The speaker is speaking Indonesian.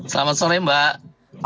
selamat sore mbak